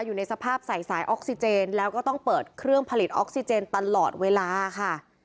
อยู่ในสภาพใส่สายออกซิเจนแล้วก็ต้องเปิดเครื่องผลิตออกซิเจนตลอดเวลาค่ะ